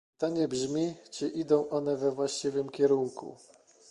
Pytanie brzmi, czy idą one we właściwym kierunku